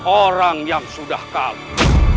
orang yang sudah kalah